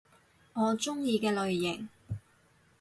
我鍾意嘅類型